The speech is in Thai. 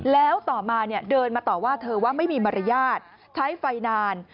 แล้วต่อมาเดินมาต่อว่าเธอว่าไม่มีมารยาทใช้ไฟนาน